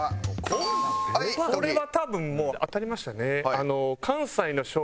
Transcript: これは多分もう当たりましたね。